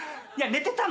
寝てたの。